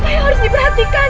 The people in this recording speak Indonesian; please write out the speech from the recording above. apa yang harus diperhatikan